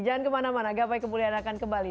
jangan kemana mana gapai kemuliaan akan kembali